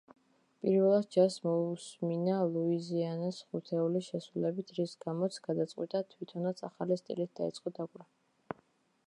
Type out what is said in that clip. პირველად ჯაზს მოუსმინა ლუიზიანას ხუთეულის შესრულებით, რის გამოც გადაწყვიტა თვითონაც ახალი სტილით დაეწყო დაკვრა.